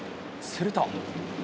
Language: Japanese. すると。